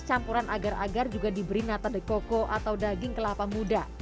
campuran agar agar juga diberi nata deko atau daging kelapa muda